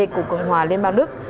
của cường hòa liên bang đức